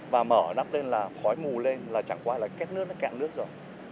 và mở nắp lên là khói mù lên là chẳng qua là kết nước nó cạn nước rồi